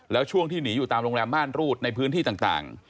แล้วช่วงที่หนีอยู่ตามโรงแรมม่านรูดในพื้นที่ต่าง